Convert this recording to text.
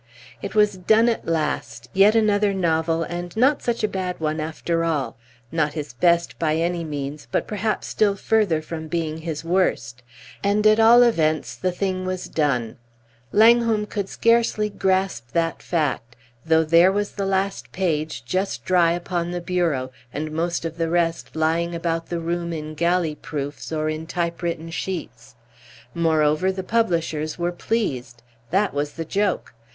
It was done at last, yet another novel, and not such a bad one after all. Not his best by any means, but perhaps still further from being his worst; and, at all events, the thing was done. Langholm could scarcely grasp that fact, though there was the last page just dry upon the bureau, and most of the rest lying about the room in galley proofs or in typewritten sheets. Moreover, the publishers were pleased; that was the joke.